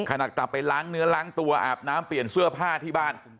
กลับไปล้างเนื้อล้างตัวอาบน้ำเปลี่ยนเสื้อผ้าที่บ้าน